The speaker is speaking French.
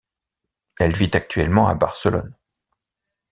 Elle vit actuellement à Barcelone.